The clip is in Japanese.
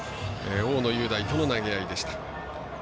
大野雄大との投げ合いでした。